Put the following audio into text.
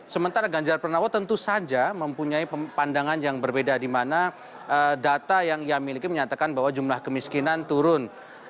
sementara ganjar pranowo tentu saja mempunyai pandangan yang berbeda di mana data yang ia miliki menyatakan bahwa jumlah kemiskinan turun